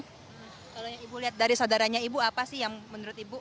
kalau yang ibu lihat dari saudaranya ibu apa sih yang menurut ibu